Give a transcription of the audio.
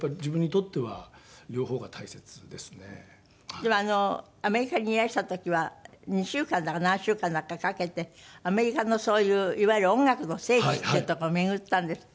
でもアメリカにいらした時は２週間だか何週間だかかけてアメリカのそういういわゆる音楽の聖地っていう所を巡ったんですって？